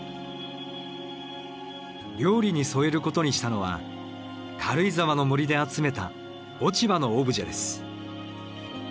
料理に添えることにしたのは軽井沢の森で集めた落ち葉のオブジェです。